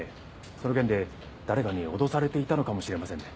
その件で誰かに脅されていたのかもしれませんね。